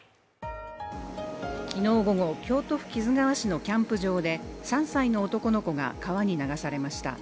昨日午後、京都府木津川市のキャンプ場で、３歳の男の子が川に流されました。